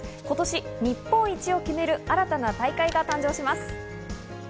今年、日本一を決める新たな大会が誕生します。